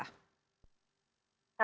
kalau dari sisi gerakan negara